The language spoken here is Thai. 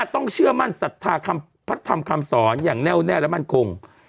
ต้องเชื่อมั่นศรัทธาพระธรรมคำสอนอย่างแน่วแน่และมั่นคง